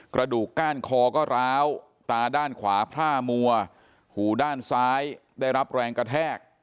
กระดูกก้านคอก็ร้าวตาด้านขวาพร่ามัวหูด้านซ้ายได้รับแรงกระแทก